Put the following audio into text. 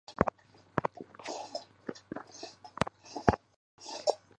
通过引丹大渠可承接丹江口水库及孟桥川水库来水。